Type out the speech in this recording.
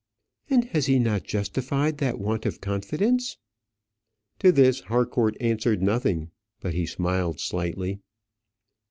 "And has he not justified that want of confidence?" To this Harcourt answered nothing, but he smiled slightly.